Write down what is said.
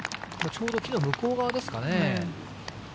ちょうど木の向こう側ですかね。